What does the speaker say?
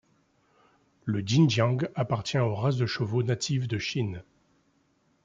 Le Jinjiang appartient aux races de chevaux natives de Chine.